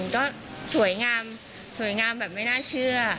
ก็สวยงามสวยงามแบบไม่น่าเชื่อ